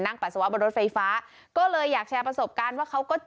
ปัสสาวะบนรถไฟฟ้าก็เลยอยากแชร์ประสบการณ์ว่าเขาก็